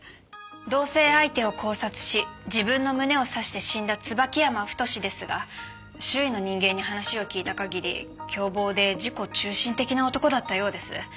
同棲相手を絞殺し自分の胸を刺して死んだ椿山太ですが周囲の人間に話を聞いた限り凶暴で自己中心的な男だったようです。